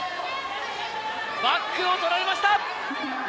バックを取られました！